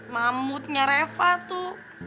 mamutnya reva tuh